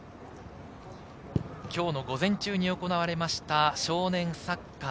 今日の午前中に行われました少年サッカー。